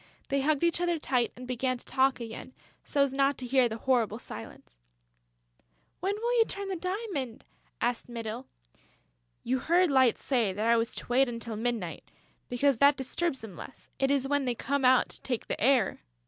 They hugged each other tight and began to talk again, so as not to hear the horrible silence: "When will you turn the diamond?" asked Mytyl. "You heard Light say that I was to wait until midnight, because that disturbs them less; it is when they come out to take the air...."